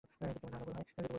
যদি তোমার ধারণা ভুল হয়?